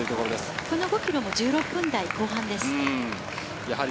この５ｋｍも１６分台後半です。